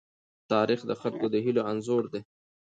تاریخ د خلکو د هيلو انځور دی.